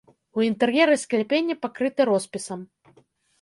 У інтэр'еры скляпенні пакрыты роспісам.